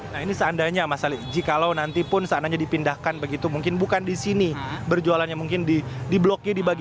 nah ini seandainya mas ali jikalau nantipun seandainya dipindahkan begitu mungkin bukan di sini berjualannya